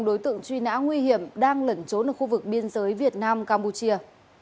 đối tượng truy nã nguy hiểm đang lẩn trốn ở khu vực biên giới việt nam campuchia